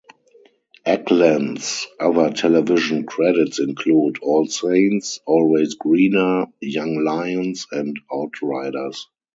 Ackland's other television credits include "All Saints", "Always Greener", "Young Lions" and "Outriders".